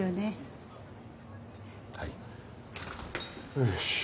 よし。